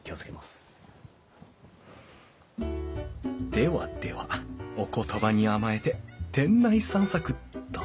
ではではお言葉に甘えて店内散策っと。